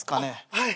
はい。